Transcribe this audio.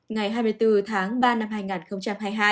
ngày hai mươi bốn tháng ba năm hai nghìn hai mươi hai